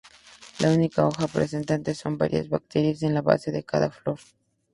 Las únicas hojas presentes son varias brácteas en la base de cada flor.